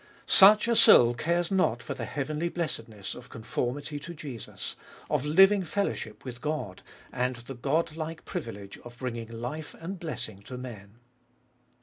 Such a soul cares not for the heavenly blessedness of conformity to Jesus, of living fellowship with God, and the Godlike privilege of bringing life and blessing to men.